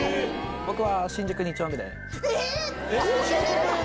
僕は新宿２丁目で。